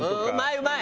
うまい！